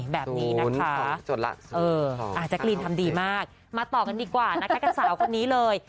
แบบนี้นะคะแจ๊กรีนทำดีมากมาต่อกันดีกว่านะคะกับสาวคนนี้เลย